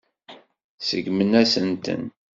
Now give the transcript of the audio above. Seggmen-asent-ten.